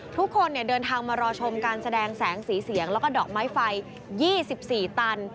ทุกคนเดินทางมารอชมการแสดงแสงสีเสียงแล้วก็ดอกไม้ไฟ๒๔ตัน